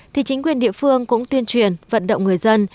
thì chính quyền địa phương cũng tuyên truyền vận động người dân